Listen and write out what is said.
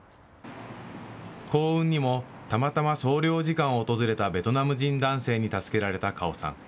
幸運にも、たまたま総領事館を訪れたベトナム人男性に助けられたカオさん。